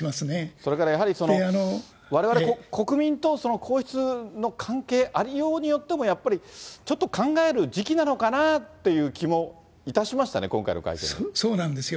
それからやはりわれわれ国民と皇室の関係、ありようによってもやっぱりちょっと考える時期なのかなという気そうなんですよ。